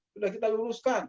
sudah kita luruskan